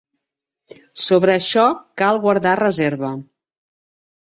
Sobre això cal guardar reserva.